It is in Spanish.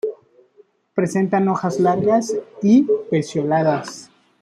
Presentan hojas largas y pecioladas.